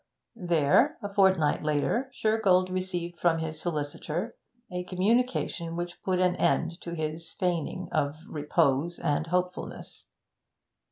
There, a fortnight later, Shergold received from his solicitor a communication which put an end to his feigning of repose and hopefulness.